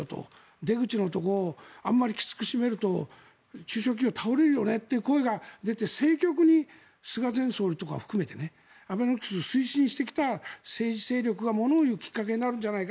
出口のところをあまりきつく締めると中小企業が倒れるよねという声が出て、政局に菅前総理とかを含めてアベノミクスを推進してきた政治勢力がものを言うきっかけになるんじゃないか。